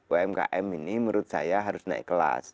umkm ini menurut saya harus naik kelas